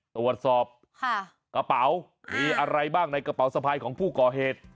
ตรวจสอบกระเป๋ามีอะไรบ้างในกระเป๋าสะพายของผู้ก่อเหตุ